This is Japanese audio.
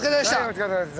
お疲れさまです。